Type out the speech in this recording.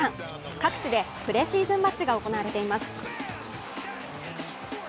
各地でプレシーズンマッチが行われています。